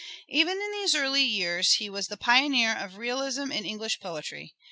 Even in these early years he was the pioneer of realism in English poetry.